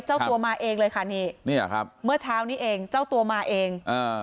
เจ้าตัวมาเองเลยค่ะนี่เนี่ยครับเมื่อเช้านี้เองเจ้าตัวมาเองอ่า